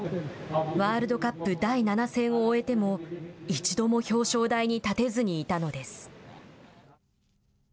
ワールドカップ第７戦を終えても一度も表彰台に立てずにいたのです。